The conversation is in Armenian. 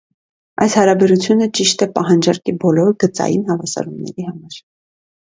Այս հարաբերությունը ճիշտ է պահանջարկի բոլոր գծային հավասարումների համար։